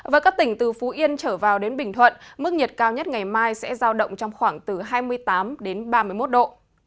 với các tỉnh từ phú yên trở vào đến bình thuận mức nhiệt cao nhất ngày mai sẽ giao động trong khoảng từ hai mươi tám đến ba mươi một độ